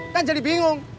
kan jadi bingung